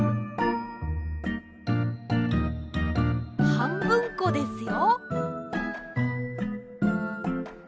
はんぶんこですよ。